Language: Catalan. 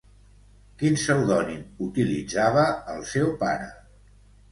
Quin pseudònim utilitzava el seu pare?